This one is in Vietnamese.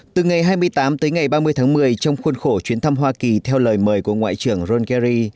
từ ngày hai mươi tám tới ngày ba mươi tháng một mươi trong khuôn khổ chuyến thăm hoa kỳ theo lời mời của ngoại trưởng rongery